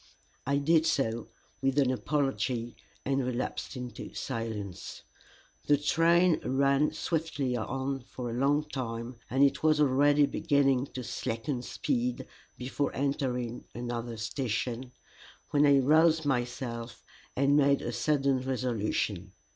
I did so, with an apology, and relapsed into silence. The train ran swiftly on for a long time, and it was already beginning to slacken speed before entering another station, when I roused myself and made a sudden resolution.